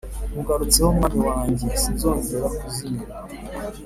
Nkugarutseho mwami wanjye sinzongera kuzimira